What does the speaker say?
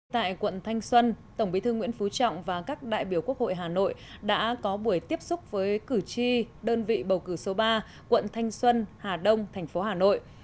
tại quận thanh xuân tổng bí thư nguyễn phú trọng và các đại biểu quốc hội hà nội đã có buổi tiếp xúc với cử tri đơn vị bầu cử số ba quận thanh xuân hà đông thành phố hà nội